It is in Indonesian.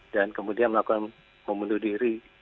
dan kemudian melakukan membunuh diri